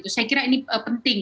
saya kira ini penting